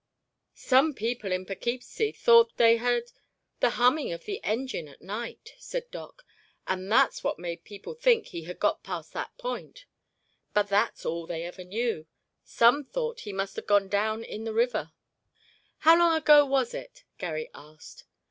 "Some people in Poughkeepsie thought they heard the humming of the engine at night," said Doc, "and that's what made people think he had got past that point—but that's all they ever knew. Some thought he must have gone down in the river." "How long ago was it?" Garry asked.